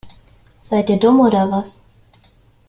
Seid ihr dumm oder was?